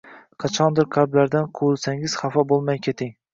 Qachondir qalblardan quvilsangiz xafa bo’lmay keting